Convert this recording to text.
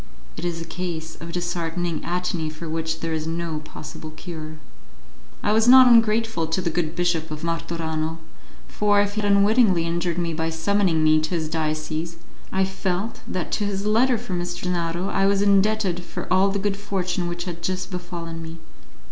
It is a case of disheartening atony for which there is no possible cure. I was not ungrateful to the good Bishop of Martorano, for, if he had unwittingly injured me by summoning me to his diocese, I felt that to his letter for M. Gennaro I was indebted for all the good fortune which had just befallen me.